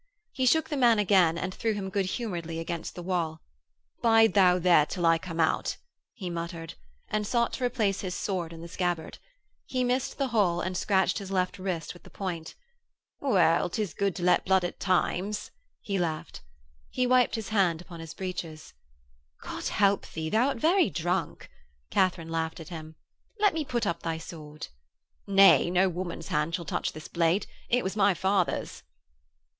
He shook the man again and threw him good humouredly against the wall. 'Bide thou there until I come out,' he muttered, and sought to replace his sword in the scabbard. He missed the hole and scratched his left wrist with the point. 'Well, 'tis good to let blood at times,' he laughed. He wiped his hand upon his breeches. 'God help thee, thou'rt very drunk,' Katharine laughed at him. 'Let me put up thy sword.' 'Nay, no woman's hand shall touch this blade. It was my father's.'